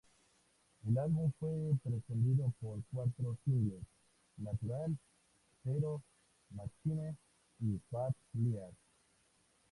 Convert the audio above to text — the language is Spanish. El álbum fue precedido por cuatro singles: ""Natural"", "Zero", ""Machine"" y ""Bad Liar"".